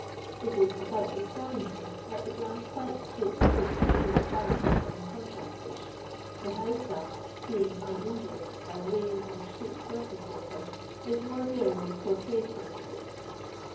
It is about the scavenger)' that the grand fight takes pi ice between the ])arishcs and contractors; the house dust, being uninjured by rain or street surface water, is more available for trade p:ir})Oses.